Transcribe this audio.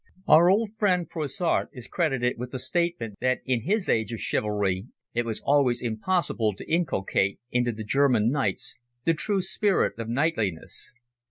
Our old friend Froissart is credited with the statement that in his age of chivalry it was always "impossible to inculcate into the German knights the true spirit of knightliness."